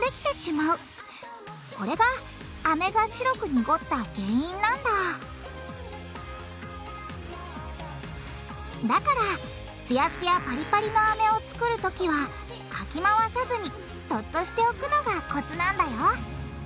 これがアメが白く濁った原因なんだだからつやつやパリパリのアメをつくる時はかきまわさずにそっとしておくのがコツなんだよ。